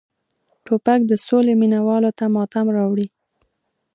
توپک د سولې مینه والو ته ماتم راوړي.